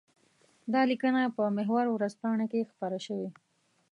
دا لیکنه په محور ورځپاڼه کې خپره شوې.